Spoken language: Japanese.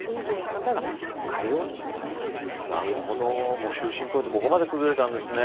もう終身雇用ってここまで崩れたんですね。